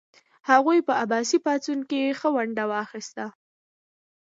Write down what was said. هغوی په عباسي پاڅون کې ښه ونډه واخیسته.